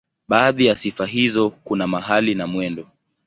Baadhi ya sifa hizo kuna mahali na mwendo.